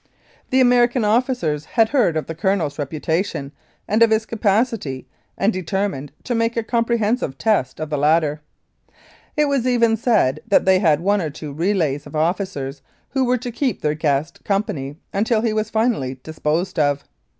The American officers had heard of the Colonel's reputation and of his capacity, and determined to make a compre hensive test of the latter. It was even said that they had one or two relays of officers who were to keep their guest company until he was finally disposed of.